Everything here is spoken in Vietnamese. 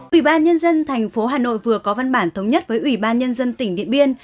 ủy ban nhân dân thành phố hà nội vừa có văn bản thống nhất với ủy ban nhân dân tỉnh điện biên